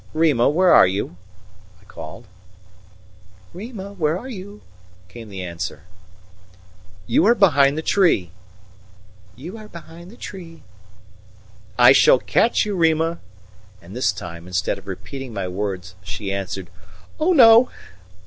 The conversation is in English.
"Rima, where are you?" I called. "Rima, where are you?" came the answer. "You are behind the tree." "You are behind the tree." "I shall catch you, Rima." And this time, instead of repeating my words, she answered: "Oh no."